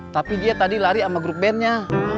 tapi dia tadi lari sama grup bandnya